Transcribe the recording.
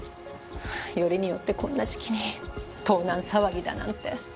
よりによってこんな時期に盗難騒ぎだなんて。